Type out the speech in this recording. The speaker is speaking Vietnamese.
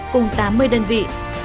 cùng tám mươi đơn vị